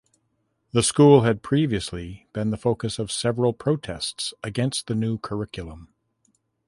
The school had previously been the focus of several protests against the new curriculum.